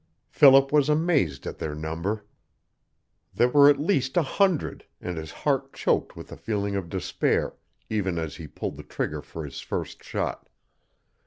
Philip was amazed at their number. There were at least a hundred, and his heart choked with a feeling of despair even as he pulled the trigger for his first shot.